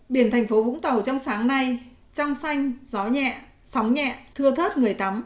biển thành phố vũng tàu trong sáng nay trong xanh gió nhẹ sóng nhẹ thưa thớt người tắm